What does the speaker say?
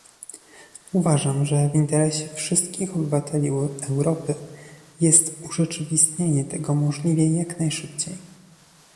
Uważam, że w interesie wszystkich obywateli Europy jest urzeczywistnienie tego możliwie jak najszybciej